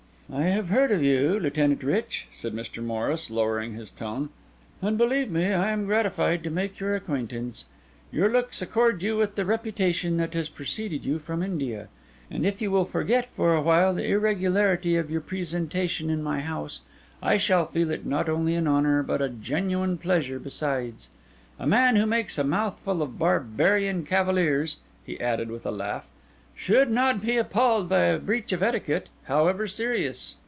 "I have heard of you, Lieutenant Rich," said Mr. Morris, lowering his tone; "and believe me I am gratified to make your acquaintance. Your looks accord with the reputation that has preceded you from India. And if you will forget for a while the irregularity of your presentation in my house, I shall feel it not only an honour, but a genuine pleasure besides. A man who makes a mouthful of barbarian cavaliers," he added with a laugh, "should not be appalled by a breach of etiquette, however serious."